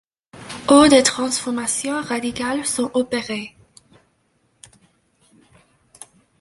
Au des transformations radicales sont opérées.